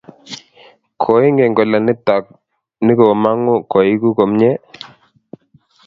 Koingen kole nitok ni ko mangu koiku komnye?